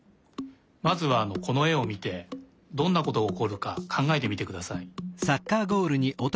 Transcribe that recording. まずはこのえをみてどんなことがおこるかかんがえてみてください。